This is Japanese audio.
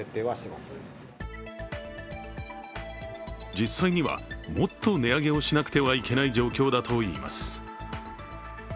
実際にはもっと値上げをしなくてはいけない状況だといいます。